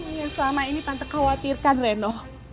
ini yang selama ini tante khawatirkan reno